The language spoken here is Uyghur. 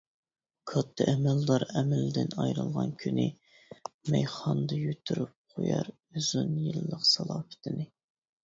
كاتتا ئەمەلدار ئەمىلىدىن ئايرىلغان كۈنى مەيخانىدا يىتتۈرۈپ قويار ئۇزۇن يىللىق سالاپىتىنى.